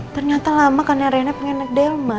ternyata lama kan reina pengen naik delman